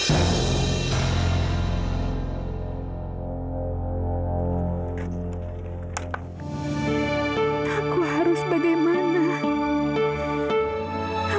aku harus bagaimana